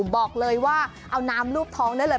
บอกเลยว่าเอาน้ำรูปท้องได้เลย